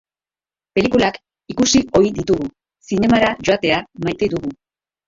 Pelikulak ikusi ohi ditugu, zinemara joatea maite dugu.